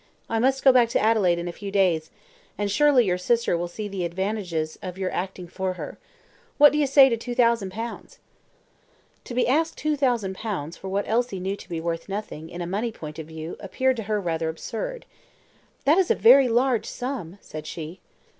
I must go back to Adelaide in a few days, and surely your sister will see the advantages of your acting for her. What do you say to 2,000 pounds." To be asked 2,000 pounds for what Elsie knew to be worth nothing, in a money point of view, appeared to her rather absurd. "That is a very large sum," said she.